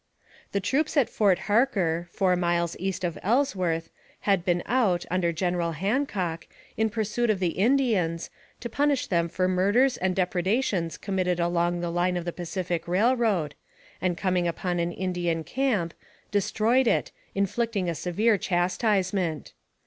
The troops at Fort Harker, four miles east of Ells worth, had been out, under General Hancock, in pursuit of the Indians, to punish them for murders and depre dations committed along the line of the Pacific Railroad, and coming upon an Indian camp, destroyed it, inflict ing a severe chastisement.